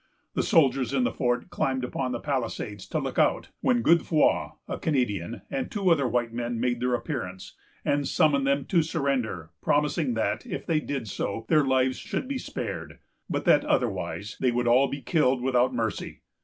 The soldiers in the fort climbed upon the palisades, to look out, when Godefroy, a Canadian, and two other white men, made their appearance, and summoned them to surrender; promising that, if they did so, their lives should be spared, but that otherwise they would all be killed without mercy.